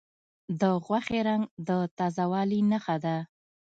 د غوښې رنګ د تازه والي نښه ده.